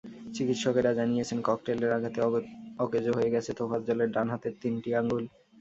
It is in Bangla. চিকিৎসকেরা জানিয়েছেন, ককটেলের আঘাতে অকেজো হয়ে গেছে তোফাজ্জলের ডান হাতের তিনটি আঙ্গুল।